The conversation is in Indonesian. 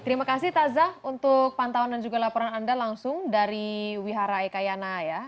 terima kasih taza untuk pantauan dan juga laporan anda langsung dari wihara ekayana ya